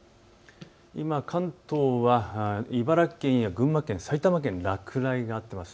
今、関東は茨城県や群馬県、埼玉県、落雷があります。